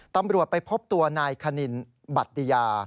ตำรวจไปพบตัวนายคณินบัตติยา